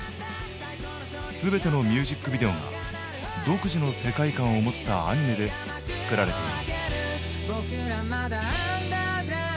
全てのミュージックビデオが独自の世界観を持ったアニメで作られている。